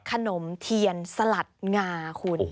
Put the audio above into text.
ขนมเทียนสลัดงาคุณ